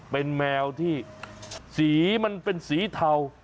เป็นแมวที่สีมันเป็นสีเทา